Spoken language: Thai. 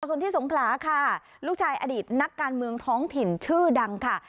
ส่วนที่สงขลาค่ะลูกชายอดีตนักการเมืองท้องถิ่นชื่อดังค่ะ